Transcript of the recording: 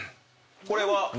これは？